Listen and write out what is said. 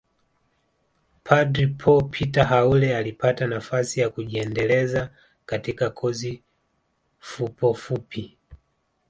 Padre Paul Peter Haule alipata nafasi ya kujiendeleza katika kozi fupofupi